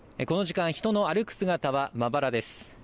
この時間、人の歩く姿はまばらです。